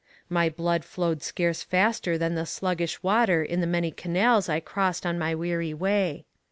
My blood flowed scarce faster than the sluggish water in the many canals I crossed on my weary way.